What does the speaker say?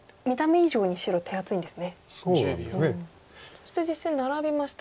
そして実戦ナラびました。